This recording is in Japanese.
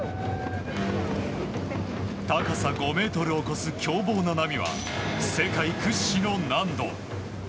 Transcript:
高さ５ｍを超す凶暴な波は世界屈指の難度。